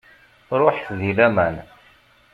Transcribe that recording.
Ruḥet di laman.